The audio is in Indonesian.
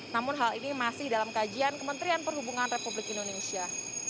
namun hal ini masih dalam kajian kementerian perhubungan republik indonesia